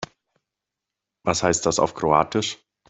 Was heißt das auf Kroatisch?